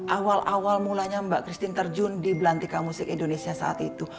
awal awal mulanya mbak christine terjun di belantika musik indonesia saat itu